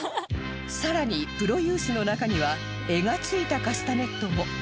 さらにプロユースの中には柄が付いたカスタネットも